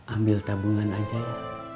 ambil tabungan aja ya